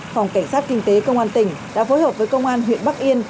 phòng cảnh sát kinh tế công an tỉnh đã phối hợp với công an huyện bắc yên